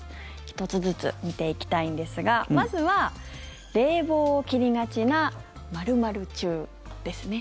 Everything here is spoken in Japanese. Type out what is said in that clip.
１つずつ見ていきたいんですがまずは冷房を切りがちな○○中ですね。